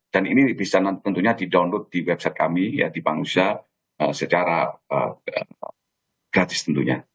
dan ini bisa tentunya di download di website kami ya di pangusia secara gratis tentunya